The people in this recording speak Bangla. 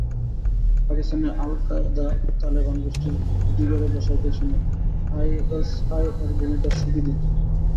পাকিস্তানে আল-কায়েদা, তালেবান গোষ্ঠীর খুঁটি গেড়ে বসার পেছনে আইএসআইয়ের ভূমিকা সুবিদিত।